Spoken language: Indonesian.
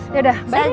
ya udah baik baik